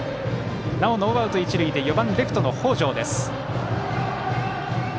なおノーアウト、一塁で４番レフト、北條です。